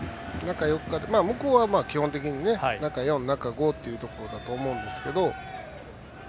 向こうは基本的に中４、中５だというところだと思うんですけど。